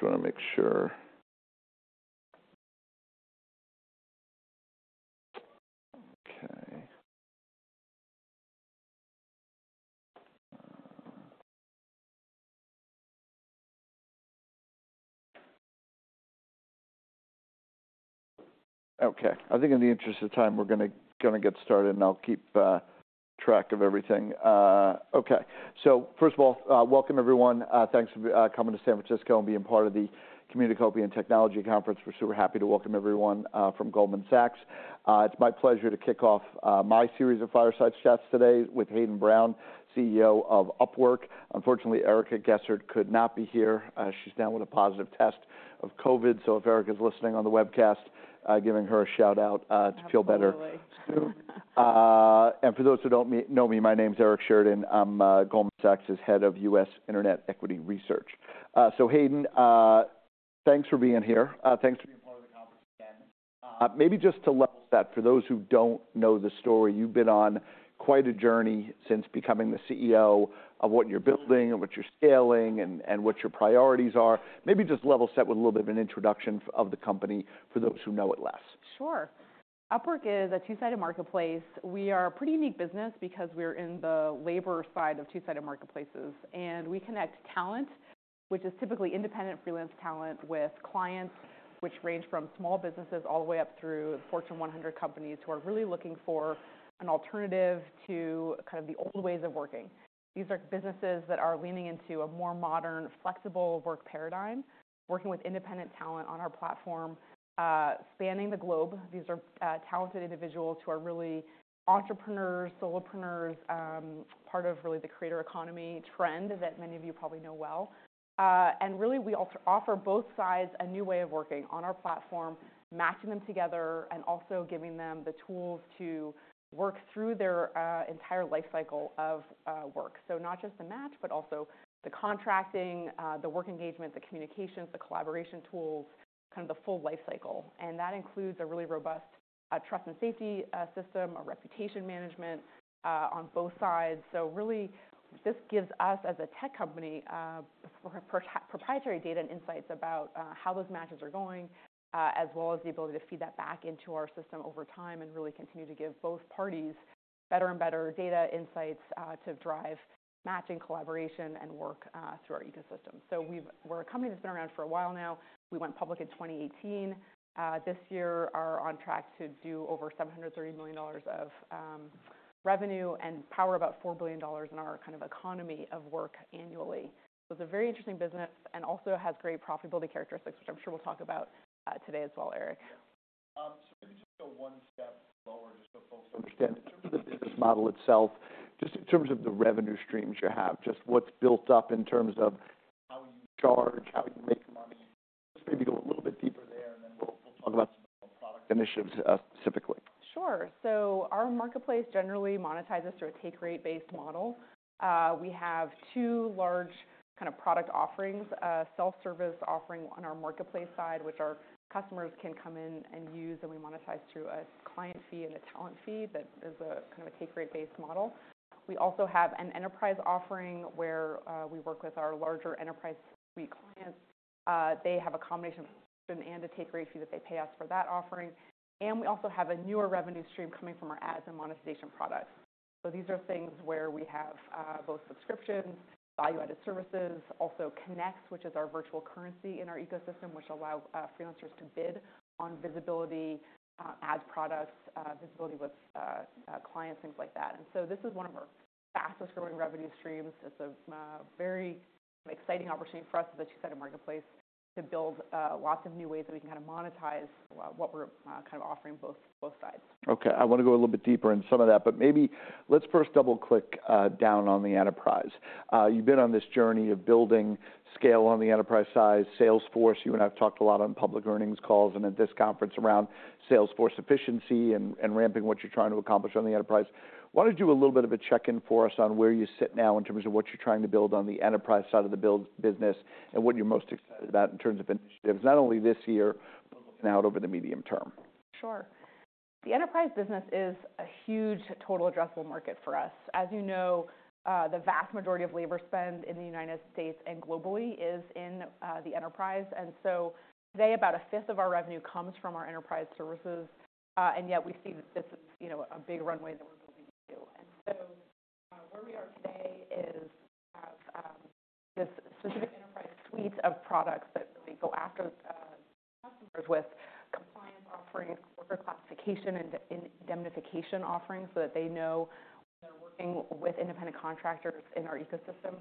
Just wanna make sure. Okay. Okay, I think in the interest of time, we're gonna get started, and I'll keep track of everything. Okay. So first of all, welcome, everyone. Thanks for coming to San Francisco and being part of the Communicopia Technology Conference. We're super happy to welcome everyone from Goldman Sachs. It's my pleasure to kick off my series of fireside chats today with Hayden Brown, CEO of Upwork. Unfortunately, Erika Gessner could not be here, she's down with a positive test of COVID. So if Erika's listening on the webcast, giving her a shout-out to feel better. Absolutely. And for those who don't know me, my name's Eric Sheridan. I'm Goldman Sachs' head of U.S. Internet Equity Research. So Hayden, thanks for being here. Thanks for being part of the conference again. Maybe just to level set, for those who don't know the story, you've been on quite a journey since becoming the CEO of what you're building and what you're scaling and what your priorities are. Maybe just level set with a little bit of an introduction of the company for those who know it less. Sure. Upwork is a two-sided marketplace. We are a pretty unique business because we're in the labor side of two-sided marketplaces, and we Connects talent, which is typically independent freelance talent, with clients, which range from small businesses all the way up through Fortune 100 companies, who are really looking for an alternative to kind of the old ways of working. These are businesses that are leaning into a more modern, flexible work paradigm, working with independent talent on our platform, spanning the globe. These are talented individuals who are really entrepreneurs, solopreneurs, part of really the creator economy trend that many of you probably know well, and really, we offer both sides a new way of working on our platform, matching them together, and also giving them the tools to work through their entire life cycle of work. So not just the match, but also the contracting, the work engagement, the communications, the collaboration tools, kind of the full life cycle. And that includes a really robust, trust and safety, system, a reputation management, on both sides. So really, this gives us, as a tech company, proprietary data and insights about, how those matches are going, as well as the ability to feed that back into our system over time and really continue to give both parties better and better data insights, to drive matching, collaboration, and work, through our ecosystem. So we've. We're a company that's been around for a while now. We went public in 2018. This year, are on track to do over $730 million of revenue and power about $4 billion in our kind of economy of work annually. So it's a very interesting business and also has great profitability characteristics, which I'm sure we'll talk about, today as well, Eric. So maybe just go one step lower, just so folks understand. In terms of the business model itself, just in terms of the revenue streams you have, just what's built up in terms of how you charge, how you make money, just maybe go a little bit deeper there, and then we'll talk about some product initiatives, specifically. Sure. So our marketplace generally monetizes through a take rate-based model. We have two large kind of product offerings: a self-service offering on our marketplace side, which our customers can come in and use, and we monetize through a client fee and a talent fee. That is a kind of a take rate-based model. We also have an enterprise offering, where we work with our larger enterprise suite clients. They have a combination and a take rate fee that they pay us for that offering. And we also have a newer revenue stream coming from our ads and monetization products. So these are things where we have both subscriptions, value-added services, also Connect, which is our virtual currency in our ecosystem, which allow freelancers to bid on visibility, ad products, visibility with clients, things like that. And so this is one of our fastest growing revenue streams. It's a very exciting opportunity for us as a two-sided marketplace to build lots of new ways that we can kind of monetize what we're kind of offering both sides. Okay, I wanna go a little bit deeper into some of that, but maybe let's first double-click down on the enterprise. You've been on this journey of building scale on the enterprise side, Salesforce. You and I have talked a lot on public earnings calls and at this conference around Salesforce efficiency and ramping what you're trying to accomplish on the enterprise. Why don't you do a little bit of a check-in for us on where you sit now in terms of what you're trying to build on the enterprise side of the build business, and what you're most excited about in terms of initiatives, not only this year, but looking out over the medium term? Sure. The enterprise business is a huge total addressable market for us. As you know, the vast majority of labor spend in the United States and globally is in the enterprise. And so today, about a fifth of our revenue comes from our enterprise services, and yet we see this as, you know, a big runway that we're building to. And so, where we are today is we have this specific enterprise suite of products that really go after customers with compliance offerings, worker classification, and indemnification offerings, so that they know they're working with independent contractors in our ecosystem.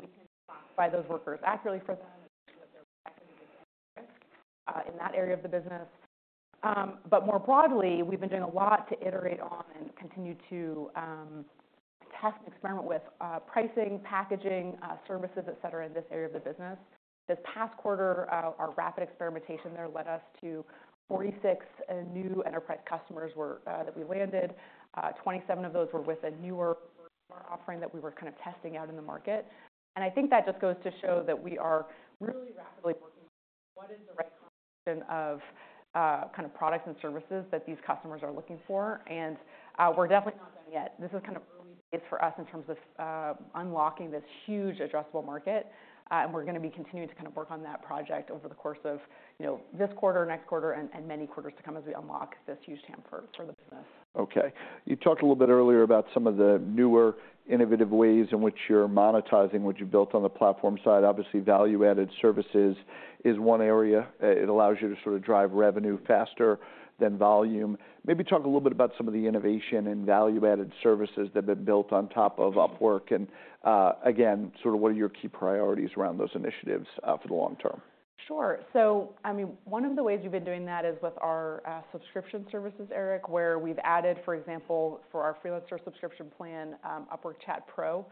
We can classify those workers accurately for them. Mm-hmm. In that area of the business, but more broadly, we've been doing a lot to iterate on and continue to test and experiment with pricing, packaging, services, et cetera, in this area of the business. This past quarter, our rapid experimentation there led us to 46 new enterprise customers that we landed. Twenty-seven of those were with a newer offering that we were kind of testing out in the market. And I think that just goes to show that we are really rapidly what is the right combination of kind of products and services that these customers are looking for? And we're definitely not done yet. This is kind of early days for us in terms of unlocking this huge addressable market, and we're gonna be continuing to kind of work on that project over the course of, you know, this quarter, next quarter, and many quarters to come as we unlock this huge TAM for the business. Okay. You talked a little bit earlier about some of the newer innovative ways in which you're monetizing what you've built on the platform side. Obviously, value-added services is one area, it allows you to sort of drive revenue faster than volume. Maybe talk a little bit about some of the innovation and value-added services that have been built on top of Upwork, and, again, sort of what are your key priorities around those initiatives, for the long term? Sure, so I mean, one of the ways we've been doing that is with our subscription services, Eric, where we've added, for example, for our freelancer subscription plan, Upwork Chat Pro,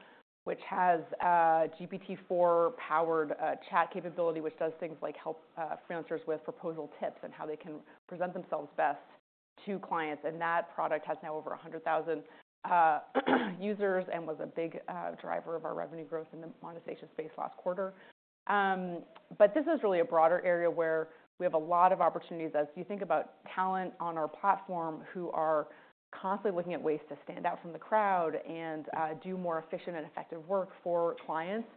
which has GPT-4 powered chat capability, which does things like help freelancers with proposal tips and how they can present themselves best to clients, and that product has now over 100,000 users and was a big driver of our revenue growth in the monetization space last quarter, but this is really a broader area where we have a lot of opportunities. As you think about talent on our platform, who are constantly looking at ways to stand out from the crowd and do more efficient and effective work for clients,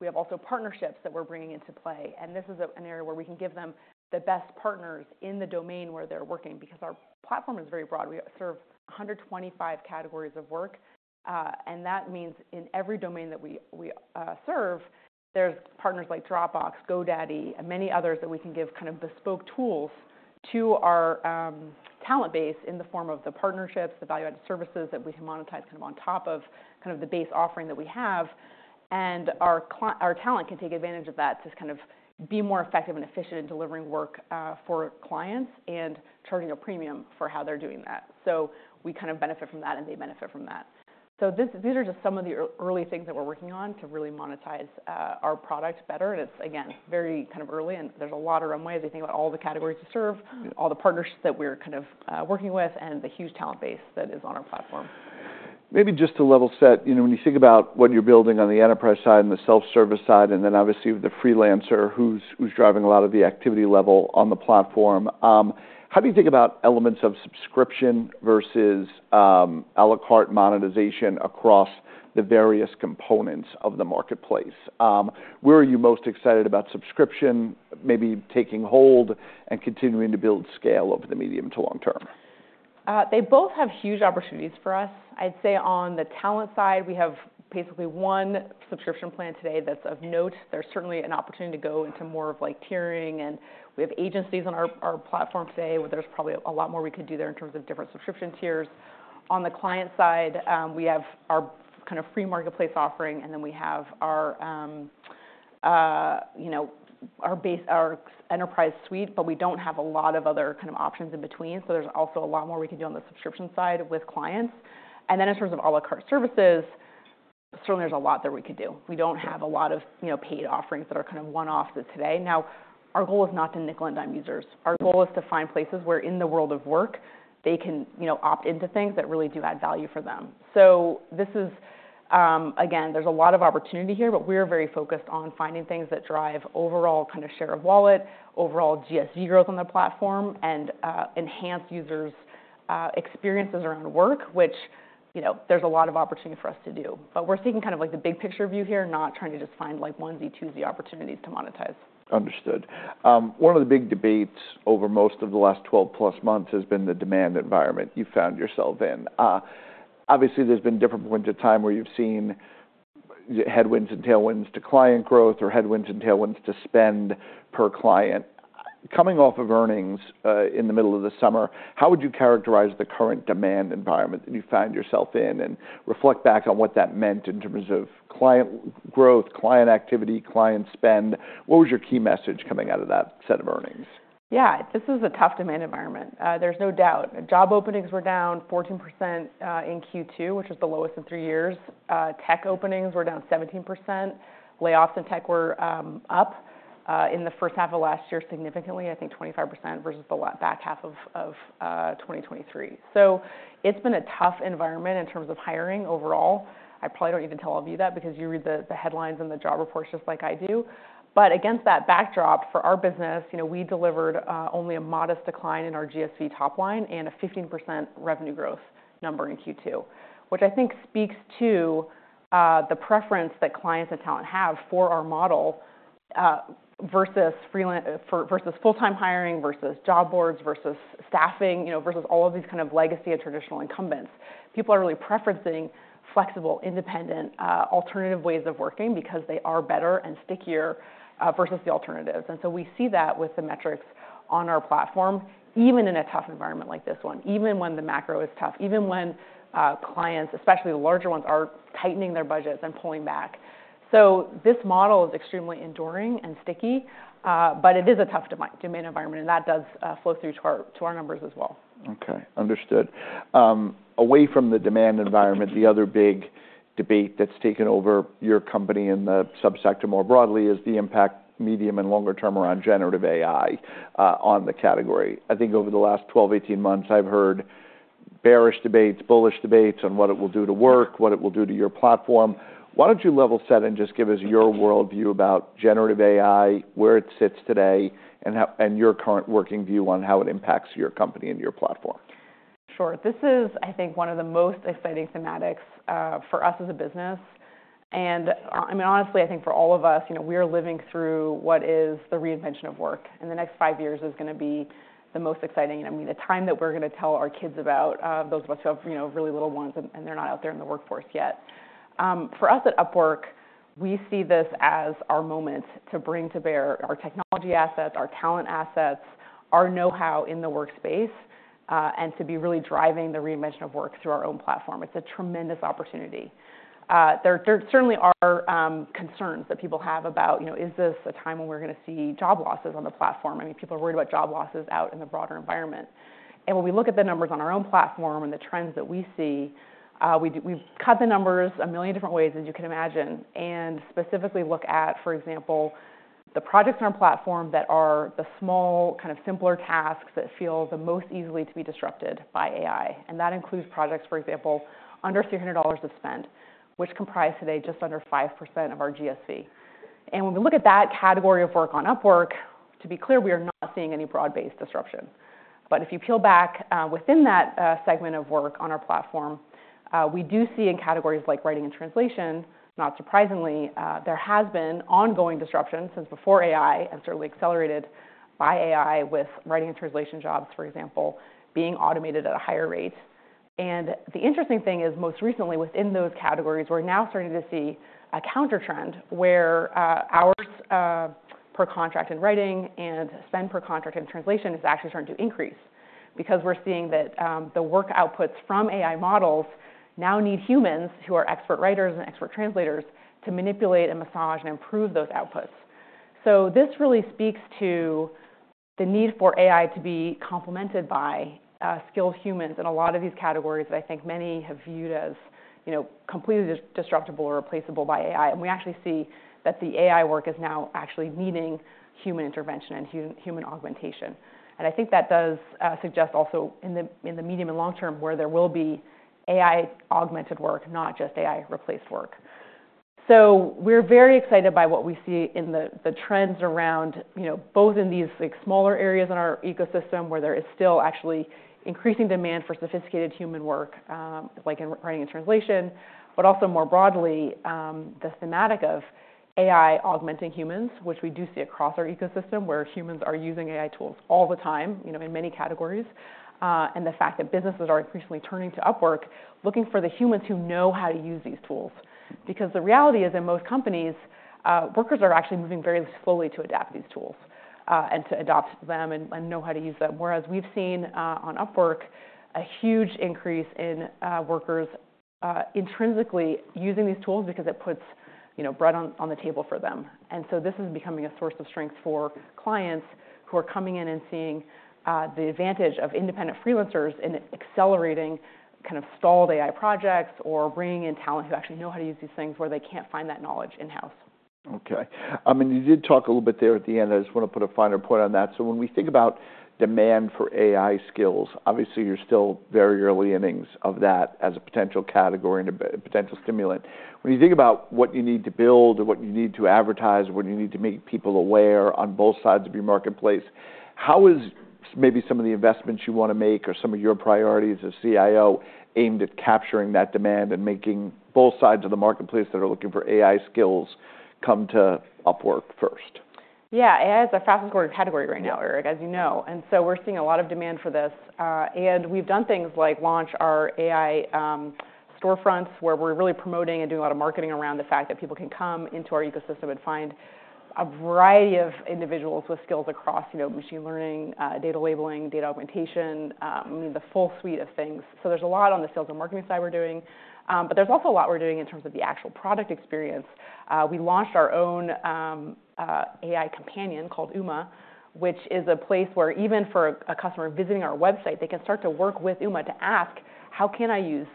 we have also partnerships that we're bringing into play, and this is an area where we can give them the best partners in the domain where they're working, because our platform is very broad. We serve one hundred and twenty-five categories of work, and that means in every domain that we serve, there's partners like Dropbox, GoDaddy, and many others that we can give kind of bespoke tools to our talent base in the form of the partnerships, the value-added services that we can monetize kind of on top of kind of the base offering that we have. Our talent can take advantage of that to just kind of be more effective and efficient in delivering work, for clients and charging a premium for how they're doing that. We kind of benefit from that, and they benefit from that. These are just some of the early things that we're working on to really monetize our product better. It's, again, very kind of early, and there's a lot of runway as you think about all the categories we serve, all the partnerships that we're kind of working with, and the huge talent base that is on our platform. Maybe just to level set, you know, when you think about what you're building on the enterprise side and the self-service side, and then obviously the freelancer who's driving a lot of the activity level on the platform, how do you think about elements of subscription versus à la carte monetization across the various components of the marketplace? Where are you most excited about subscription maybe taking hold and continuing to build scale over the medium to long term? They both have huge opportunities for us. I'd say on the talent side, we have basically one subscription plan today that's of note. There's certainly an opportunity to go into more of like tiering, and we have agencies on our platform today, where there's probably a lot more we could do there in terms of different subscription tiers. On the client side, we have our kind of free marketplace offering, and then we have our, you know, our enterprise suite, but we don't have a lot of other kind of options in between, so there's also a lot more we can do on the subscription side with clients. And then in terms of à la carte services, certainly there's a lot that we could do. We don't have a lot of, you know, paid offerings that are kind of one-off to today. Now, our goal is not to nickel and dime users. Our goal is to find places where in the world of work, they can, you know, opt into things that really do add value for them. So this is. Again, there's a lot of opportunity here, but we're very focused on finding things that drive overall kind of share of wallet, overall GSV growth on the platform, and enhance users' experiences around work, which, you know, there's a lot of opportunity for us to do. But we're taking kind of like the big picture view here, not trying to just find like onesie-twosie opportunities to monetize. Understood. One of the big debates over most of the last twelve plus months has been the demand environment you found yourself in. Obviously, there's been different points of time where you've seen headwinds and tailwinds to client growth or headwinds and tailwinds to spend per client. Coming off of earnings, in the middle of the summer, how would you characterize the current demand environment that you found yourself in, and reflect back on what that meant in terms of client growth, client activity, client spend? What was your key message coming out of that set of earnings? Yeah, this is a tough demand environment. There's no doubt. Job openings were down 14% in Q2, which is the lowest in three years. Tech openings were down 17%. Layoffs in tech were up in the first half of last year, significantly, I think 25%, versus the back half of 2023. So it's been a tough environment in terms of hiring overall. I probably don't need to tell all of you that because you read the headlines and the job reports just like I do. But against that backdrop, for our business, you know, we delivered only a modest decline in our GSV top line and a 15% revenue growth number in Q2, which I think speaks to the preference that clients and talent have for our model versus full-time hiring, versus job boards, versus staffing, you know, versus all of these kind of legacy and traditional incumbents. People are really preferencing flexible, independent alternative ways of working because they are better and stickier versus the alternatives. And so we see that with the metrics on our platform, even in a tough environment like this one, even when the macro is tough, even when clients, especially the larger ones, are tightening their budgets and pulling back. So this model is extremely enduring and sticky, but it is a tough demand environment, and that does flow through to our numbers as well. Okay, understood. Away from the demand environment, the other big debate that's taken over your company and the subsector more broadly, is the impact, medium and longer term, around generative AI, on the category. I think over the last 12, 18 months, I've heard bearish debates, bullish debates on what it will do to work, what it will do to your platform. Why don't you level set and just give us your world view about generative AI, where it sits today, and how and your current working view on how it impacts your company and your platform? Sure. This is, I think, one of the most exciting thematics for us as a business. And, I mean, honestly, I think for all of us, you know, we are living through what is the reinvention of work, and the next five years is gonna be the most exciting. And I mean, the time that we're gonna tell our kids about, those of us who have, you know, really little ones, and they're not out there in the workforce yet. For us at Upwork, we see this as our moment to bring to bear our technology assets, our talent assets, our know-how in the workspace, and to be really driving the reinvention of work through our own platform. It's a tremendous opportunity. There certainly are concerns that people have about, you know, is this a time when we're gonna see job losses on the platform? I mean, people are worried about job losses out in the broader environment. And when we look at the numbers on our own platform and the trends that we see, we've cut the numbers a million different ways, as you can imagine, and specifically look at, for example, the projects on our platform that are the small, kind of simpler tasks that feel the most easily to be disrupted by AI, and that includes projects, for example, under $300 of spend, which comprise today just under 5% of our GSV. And when we look at that category of work on Upwork, to be clear, we are not seeing any broad-based disruption. But if you peel back within that segment of work on our platform, we do see in categories like writing and translation, not surprisingly, there has been ongoing disruption since before AI, and certainly accelerated by AI, with writing and translation jobs, for example, being automated at a higher rate. And the interesting thing is, most recently, within those categories, we're now starting to see a countertrend where hours per contract in writing and spend per contract in translation is actually starting to increase. Because we're seeing that the work outputs from AI models now need humans, who are expert writers and expert translators, to manipulate and massage and improve those outputs. So this really speaks to the need for AI to be complemented by skilled humans in a lot of these categories that I think many have viewed as, you know, completely destructible or replaceable by AI. And we actually see that the AI work is now actually needing human intervention and human augmentation, and I think that does suggest also in the medium and long term, where there will be AI-augmented work, not just AI-replaced work. So we're very excited by what we see in the trends around, you know, both in these, like, smaller areas in our ecosystem, where there is still actually increasing demand for sophisticated human work, like in writing and translation, but also more broadly, the thematic of AI augmenting humans, which we do see across our ecosystem, where humans are using AI tools all the time, you know, in many categories. And the fact that businesses are increasingly turning to Upwork, looking for the humans who know how to use these tools. Because the reality is, in most companies, workers are actually moving very slowly to adapt these tools, and to adopt them and know how to use them. Whereas we've seen on Upwork a huge increase in workers intrinsically using these tools because it puts, you know, bread on the table for them. And so this is becoming a source of strength for clients who are coming in and seeing the advantage of independent freelancers in accelerating kind of stalled AI projects or bringing in talent who actually know how to use these things, where they can't find that knowledge in-house. Okay. I mean, you did talk a little bit there at the end. I just wanna put a finer point on that. So when we think about demand for AI skills, obviously, you're still very early innings of that as a potential category and a potential stimulant. When you think about what you need to build or what you need to advertise or what you need to make people aware on both sides of your marketplace, how is maybe some of the investments you wanna make or some of your priorities as CIO aimed at capturing that demand and making both sides of the marketplace that are looking for AI skills come to Upwork first? Yeah. AI is a fast-growing category right now- Yeah Eric, as you know, and so we're seeing a lot of demand for this, and we've done things like launch our AI storefronts, where we're really promoting and doing a lot of marketing around the fact that people can come into our ecosystem and find a variety of individuals with skills across, you know, machine learning, data labeling, data augmentation, the full suite of things, so there's a lot on the sales and marketing side we're doing, but there's also a lot we're doing in terms of the actual product experience. We launched our own AI companion called Uma, which is a place where even for a customer visiting our website, they can start to work with Uma to ask: How can I use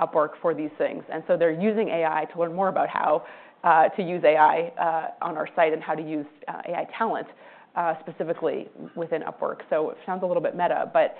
Upwork for these things? And so they're using AI to learn more about how to use AI on our site and how to use AI talent specifically within Upwork. So it sounds a little bit meta, but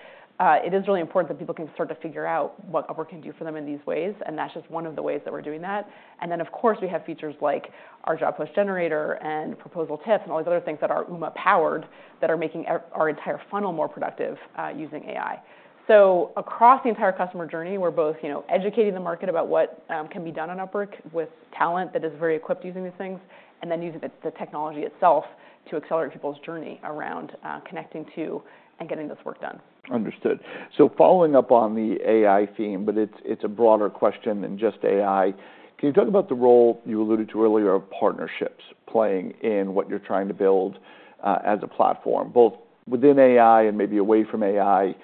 it is really important that people can start to figure out what Upwork can do for them in these ways, and that's just one of the ways that we're doing that. And then, of course, we have features like our Job Post Generator and proposal tips and all these other things that are Uma-powered, that are making our entire funnel more productive using AI. So across the entire customer journey, we're both, you know, educating the market about what can be done on Upwork with talent that is very equipped using these things, and then using the technology itself to accelerate people's journey around connecting to and getting this work done. Understood. So following up on the AI theme, but it's a broader question than just AI, can you talk about the role you alluded to earlier of partnerships playing in what you're trying to build, as a platform, both within AI and maybe away from AI?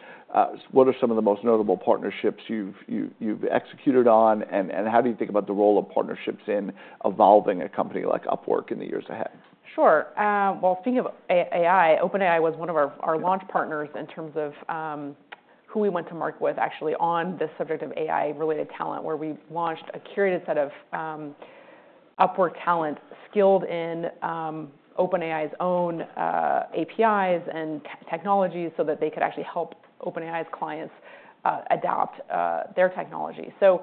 What are some of the most notable partnerships you've executed on, and how do you think about the role of partnerships in evolving a company like Upwork in the years ahead? Sure. Well, thinking of AI, OpenAI was one of our- Yeah our launch partners in terms of who we went to market with, actually, on the subject of AI-related talent, where we launched a curated set of Upwork talent skilled in OpenAI's own APIs and technologies so that they could actually help OpenAI's clients adopt their technology. So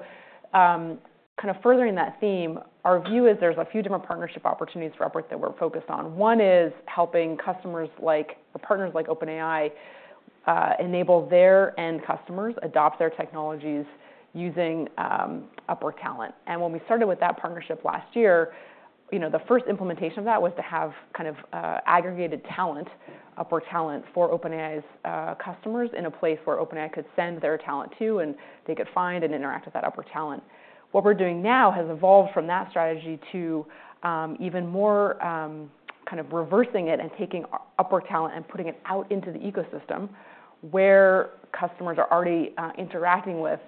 kind of furthering that theme, our view is there's a few different partnership opportunities for Upwork that we're focused on. One is helping customers like or partners like OpenAI enable their end customers adopt their technologies using Upwork talent. And when we started with that partnership last year, you know, the first implementation of that was to have kind of aggregated talent, Upwork talent, for OpenAI's customers in a place where OpenAI could send their talent to, and they could find and interact with that Upwork talent. What we're doing now has evolved from that strategy to even more kind of reversing it and taking Upwork talent and putting it out into the ecosystem, where customers are already interacting with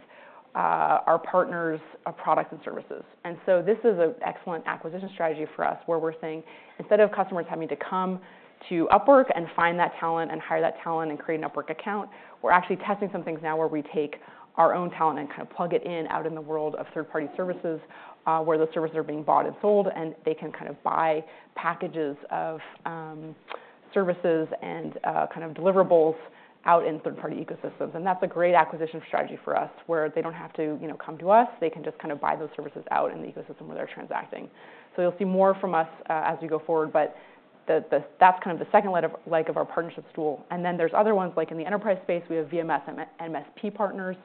our partners of products and services. And so this is an excellent acquisition strategy for us, where we're saying, instead of customers having to come to Upwork and find that talent and hire that talent and create an Upwork account, we're actually testing some things now where we take our own talent and kind of plug it in out in the world of third-party services, where those services are being bought and sold, and they can kind of buy packages of services and kind of deliverables out in third-party ecosystems. And that's a great acquisition strategy for us, where they don't have to, you know, come to us. They can just kind of buy those services out in the ecosystem where they're transacting. So you'll see more from us as we go forward, but that's kind of the second leg of our partnership stool. And then there's other ones, like in the enterprise space, we have VMS and MSP partners,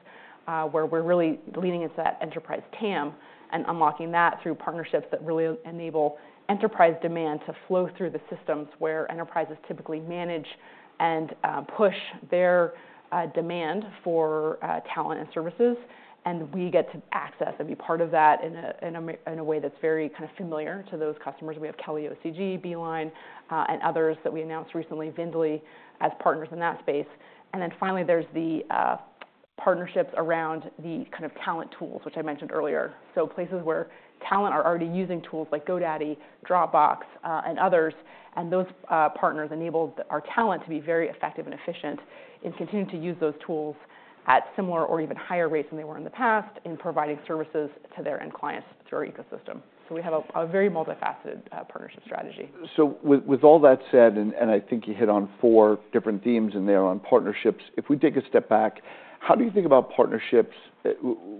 where we're really leaning into that enterprise TAM and unlocking that through partnerships that really enable enterprise demand to flow through the systems where enterprises typically manage and push their demand for talent and services, and we get to access and be part of that in a way that's very kind of familiar to those customers. We have KellyOCG, Beeline, and others that we announced recently, VNDLY, as partners in that space. And then finally, there's the partnerships around the kind of talent tools, which I mentioned earlier. So places where talent are already using tools like GoDaddy, Dropbox, and others, and those partners enable our talent to be very effective and efficient and continue to use those tools at similar or even higher rates than they were in the past in providing services to their end clients through our ecosystem. So we have a very multifaceted partnership strategy. So with all that said, and I think you hit on four different themes in there on partnerships, if we take a step back, how do you think about partnerships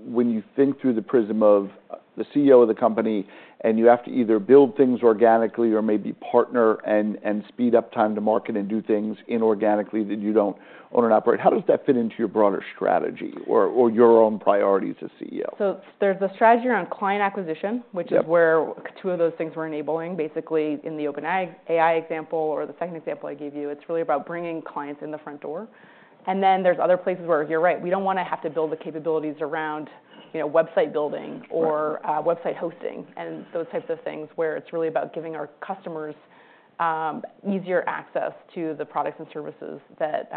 when you think through the prism of the CEO of the company, and you have to either build things organically or maybe partner and speed up time to market and do things inorganically that you don't own and operate? How does that fit into your broader strategy or your own priorities as CEO? There's a strategy around client acquisition- Yep which is where two of those things we're enabling, basically, in the OpenAI example or the second example I gave you, it's really about bringing clients in the front door. And then there's other places where you're right, we don't wanna have to build the capabilities around, you know, website building- Right or, website hosting and those types of things, where it's really about giving our customers, easier access to the products and services that,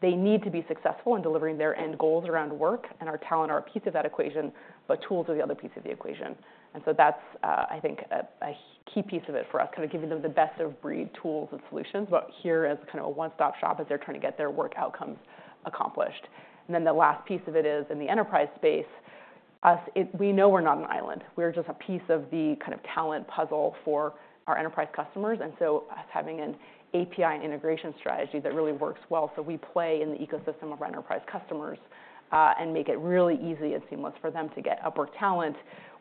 they need to be successful in delivering their end goals around work, and our talent are a piece of that equation, but tools are the other piece of the equation. And so that's, I think, a, a key piece of it for us, kind of giving them the best-of-breed tools and solutions, but here as kind of a one-stop shop as they're trying to get their work outcomes accomplished. And then the last piece of it is in the enterprise space, we know we're not an island. We're just a piece of the kind of talent puzzle for our enterprise customers, and so us having an API and integration strategy that really works well, so we play in the ecosystem of our enterprise customers, and make it really easy and seamless for them to get Upwork talent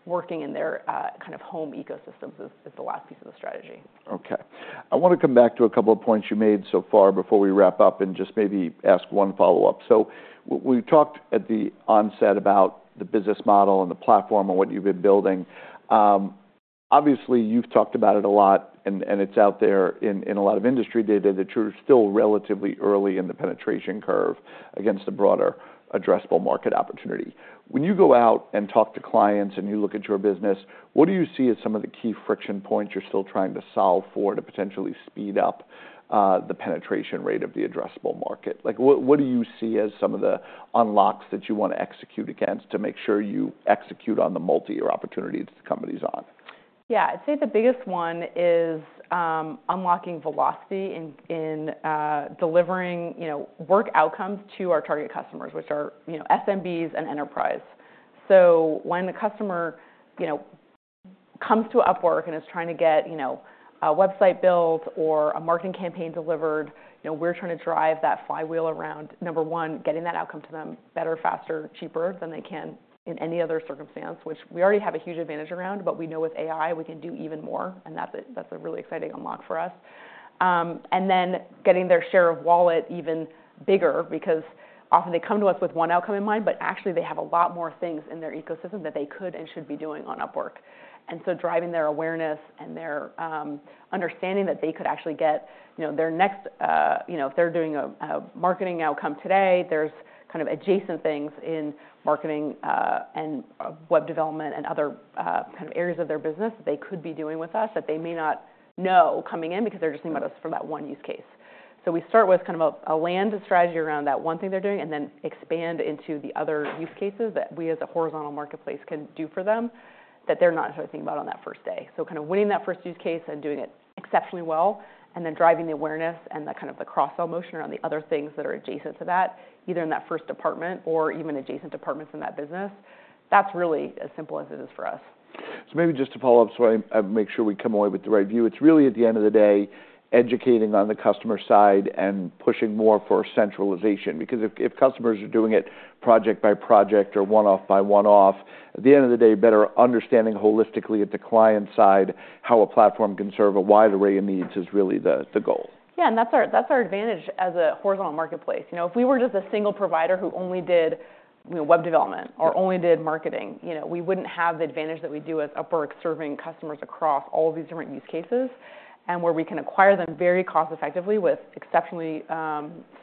working in their, kind of home ecosystems is the last piece of the strategy. Okay. I wanna come back to a couple of points you made so far before we wrap up and just maybe ask one follow-up. So we talked at the onset about the business model and the platform and what you've been building. Obviously, you've talked about it a lot, and it's out there in a lot of industry data that you're still relatively early in the penetration curve against the broader addressable market opportunity. When you go out and talk to clients, and you look at your business, what do you see as some of the key friction points you're still trying to solve for to potentially speed up the penetration rate of the addressable market? Like, what do you see as some of the unlocks that you want to execute against to make sure you execute on the multi-year opportunities the company's on? Yeah. I'd say the biggest one is, unlocking velocity in delivering, you know, work outcomes to our target customers, which are, you know, SMBs and enterprise. So when the customer, you know, comes to Upwork and is trying to get, you know, a website built or a marketing campaign delivered, you know, we're trying to drive that flywheel around, number one, getting that outcome to them better, faster, cheaper than they can in any other circumstance, which we already have a huge advantage around, but we know with AI, we can do even more, and that's a really exciting unlock for us. And then getting their share of wallet even bigger, because often they come to us with one outcome in mind, but actually they have a lot more things in their ecosystem that they could and should be doing on Upwork. And so driving their awareness and their understanding that they could actually get, you know, their next, you know, if they're doing a, a marketing outcome today, there's kind of adjacent things in marketing, and, web development and other, kind of areas of their business that they could be doing with us that they may not know coming in because they're just thinking about us for that one use case. So we start with kind of a, a land strategy around that one thing they're doing and then expand into the other use cases that we, as a horizontal marketplace, can do for them that they're not necessarily thinking about on that first day. So kind of winning that first use case and doing it exceptionally well, and then driving the awareness and the kind of cross-sell motion around the other things that are adjacent to that, either in that first department or even adjacent departments in that business. That's really as simple as it is for us. So maybe just to follow up, so I make sure we come away with the right view. It's really, at the end of the day, educating on the customer side and pushing more for centralization. Because if customers are doing it project by project or one-off by one-off, at the end of the day, better understanding holistically at the client side how a platform can serve a wide array of needs is really the goal. Yeah, and that's our advantage as a horizontal marketplace. You know, if we were just a single provider who only did, you know, web development- Yeah or only did marketing, you know, we wouldn't have the advantage that we do with Upwork serving customers across all these different use cases, and where we can acquire them very cost effectively with exceptionally,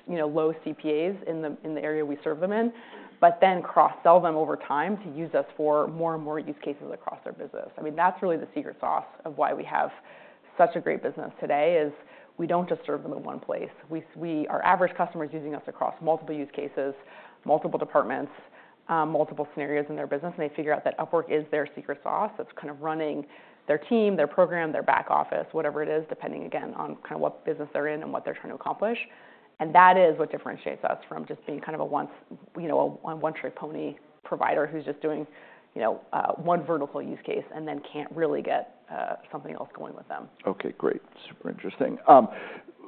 you know, low CPAs in the area we serve them in, but then cross-sell them over time to use us for more and more use cases across their business. I mean, that's really the secret sauce of why we have such a great business today, is we don't just serve them in one place. We... Our average customer is using us across multiple use cases, multiple departments, multiple scenarios in their business, and they figure out that Upwork is their secret sauce that's kind of running their team, their program, their back office, whatever it is, depending, again, on kind of what business they're in and what they're trying to accomplish, and that is what differentiates us from just being kind of a once, you know, a one-trick pony provider who's just doing, you know, one vertical use case and then can't really get something else going with them. Okay, great. Super interesting.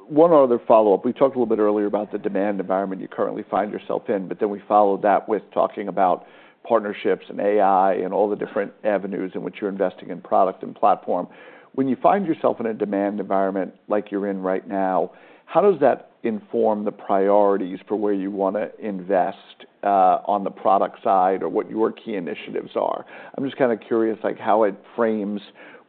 One other follow-up. We talked a little bit earlier about the demand environment you currently find yourself in, but then we followed that with talking about partnerships and AI and all the different avenues in which you're investing in product and platform. When you find yourself in a demand environment like you're in right now, how does that inform the priorities for where you want to invest, on the product side or what your key initiatives are? I'm just kind of curious, like, how it frames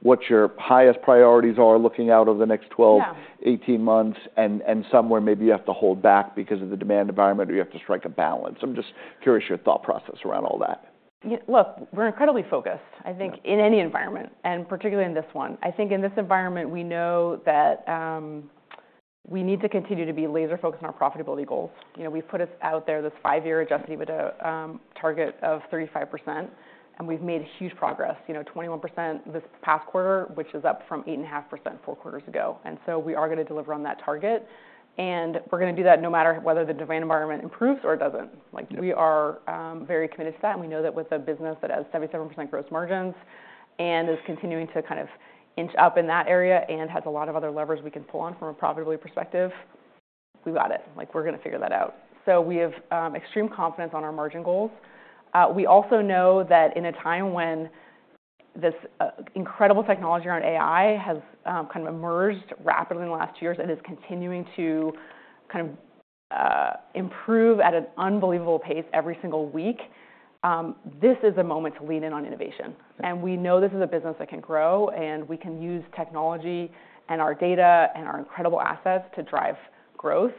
what your highest priorities are looking out over the next twelve- Yeah eighteen months, and somewhere maybe you have to hold back because of the demand environment or you have to strike a balance. I'm just curious your thought process around all that. Yeah, look, we're incredibly focused, I think. Yeah In any environment, and particularly in this one. I think in this environment, we know that, we need to continue to be laser focused on our profitability goals. You know, we've put us out there this five-year adjusted EBITDA target of 35%, and we've made huge progress. You know, 21% this past quarter, which is up from 8.5% four quarters ago. And so we are gonna deliver on that target, and we're gonna do that no matter whether the demand environment improves or it doesn't. Yeah. Like, we are, very committed to that, and we know that with a business that has 77% gross margins and is continuing to kind of inch up in that area and has a lot of other levers we can pull on from a profitability perspective, we've got it. Like, we're gonna figure that out. So we have, extreme confidence on our margin goals. We also know that in a time when this, incredible technology around AI has, kind of emerged rapidly in the last two years and is continuing to kind of, improve at an unbelievable pace every single week, this is a moment to lean in on innovation. Yeah. And we know this is a business that can grow, and we can use technology and our data and our incredible assets to drive growth.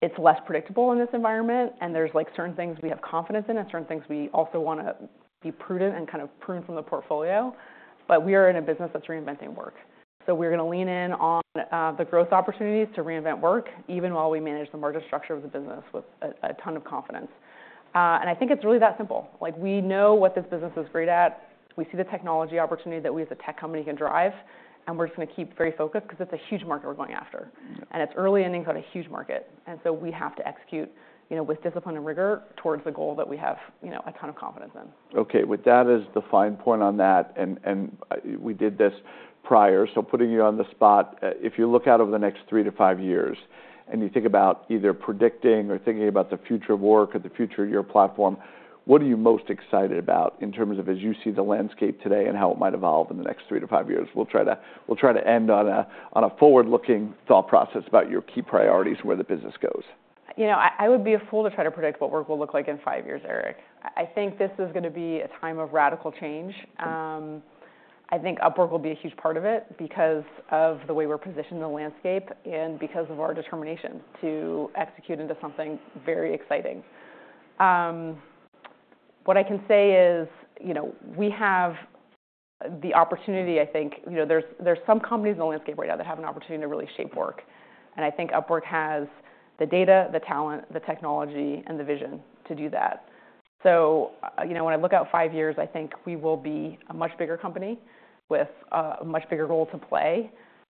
It's less predictable in this environment, and there's, like, certain things we have confidence in and certain things we also wanna be prudent and kind of prune from the portfolio, but we are in a business that's reinventing work. So we're gonna lean in on the growth opportunities to reinvent work, even while we manage the margin structure of the business with a ton of confidence. And I think it's really that simple. Like, we know what this business is great at. We see the technology opportunity that we, as a tech company, can drive, and we're just gonna keep very focused because it's a huge market we're going after. Mm-hmm. And it's early innings on a huge market, and so we have to execute, you know, with discipline and rigor towards the goal that we have, you know, a ton of confidence in. Okay, with that as the fine point on that, and we did this prior, so putting you on the spot, if you look out over the next three to five years, and you think about either predicting or thinking about the future of work or the future of your platform, what are you most excited about in terms of as you see the landscape today and how it might evolve in the next three to five years? We'll try to end on a forward-looking thought process about your key priorities, where the business goes. You know, I would be a fool to try to predict what work will look like in five years, Eric. I think this is gonna be a time of radical change. Mm-hmm. I think Upwork will be a huge part of it because of the way we're positioned in the landscape and because of our determination to execute into something very exciting. What I can say is, you know, we have the opportunity... I think, you know, there's, there's some companies in the landscape right now that have an opportunity to really shape work, and I think Upwork has the data, the talent, the technology, and the vision to do that. So, you know, when I look out five years, I think we will be a much bigger company with, a much bigger role to play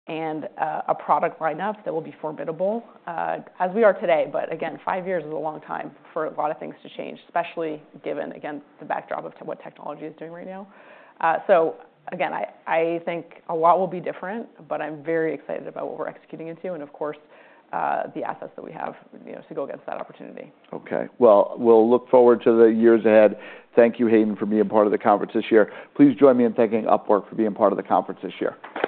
and, a product lineup that will be formidable, as we are today. But again, five years is a long time for a lot of things to change, especially given, again, the backdrop of to what technology is doing right now. So again, I think a lot will be different, but I'm very excited about what we're executing into and, of course, the assets that we have, you know, to go against that opportunity. Okay. Well, we'll look forward to the years ahead. Thank you, Hayden, for being part of the conference this year. Please join me in thanking Upwork for being part of the conference this year.